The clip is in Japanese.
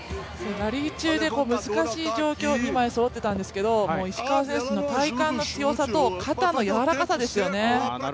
ラリー中で難しい状況、二枚そろってたんですけど石川選手の体幹の強さと肩の柔らかさですよね。